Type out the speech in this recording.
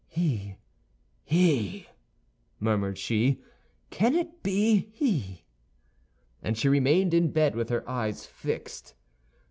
"He, he!" murmured she; "can it be he?" And she remained in bed with her eyes fixed.